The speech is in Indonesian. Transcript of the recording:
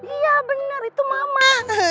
iya bener itu mama